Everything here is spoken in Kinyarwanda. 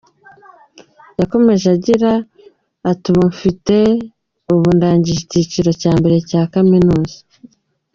Yakomeje agira ati “ubu mfite ubu ndangije ikiciro cya mbere cya kaminuza.